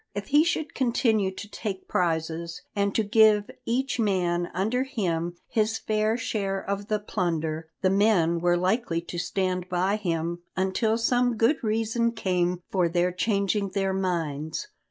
If he should continue to take prizes, and to give each man under him his fair share of the plunder, the men were likely to stand by him until some good reason came for their changing their minds.